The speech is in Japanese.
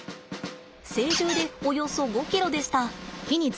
成獣でおよそ５ｋｇでした。